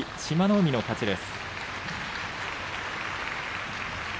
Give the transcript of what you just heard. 海の勝ちです。